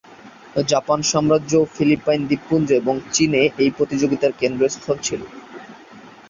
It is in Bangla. জাপান সাম্রাজ্য, ফিলিপাইন দ্বীপপুঞ্জ এবং চীনে এ প্রতিযোগিতার কেন্দ্রস্থল ছিল।